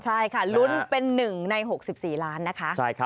ใช่ค่ะลุ้นเป็น๑ใน๖๔ล้านนะคะ